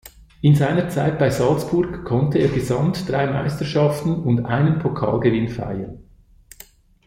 In seiner Zeit bei Salzburg konnte er gesamt drei Meisterschaften und einen Pokalgewinn feiern.